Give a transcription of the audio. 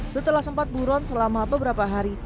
setelah sempat buron selama beberapa hari